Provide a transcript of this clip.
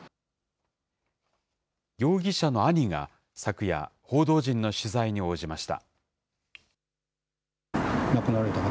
容疑者の兄が昨夜、報道陣の取材に応じました。